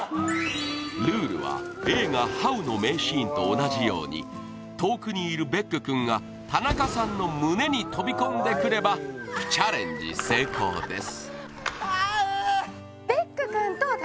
ルールは映画「ハウ」の名シーンと同じように遠くにいるベック君が田中さんの胸に飛び込んでくればチャレンジ成功です